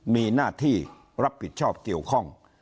มีหน้าที่รับผิดชอบเกี่ยวข้อง